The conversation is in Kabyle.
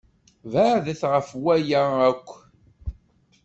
Beɛdet ɣef waya akk!